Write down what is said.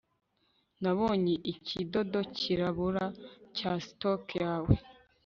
Nabonye ikidodo cyirabura cya stock yawe